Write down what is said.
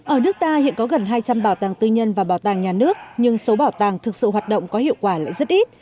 ở nước ta hiện có gần hai trăm linh bảo tàng tư nhân và bảo tàng nhà nước nhưng số bảo tàng thực sự hoạt động có hiệu quả lại rất ít